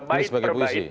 ini sebagai puisi